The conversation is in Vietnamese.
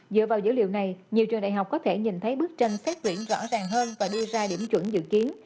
dựa vào dữ liệu này nhiều trường đại học có thể nhìn thấy bức tranh xét tuyển rõ ràng hơn và đưa ra điểm chuẩn dự kiến